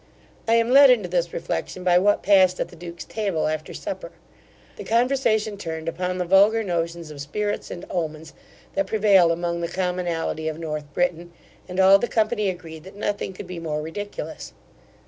I am led into this reflection, by what passed at the duke's table after supper. The conversation turned upon the vulgar notions of spirits and omens, that prevail among the commonalty of North Britain, and all the company agreed, that nothing could be more ridiculous.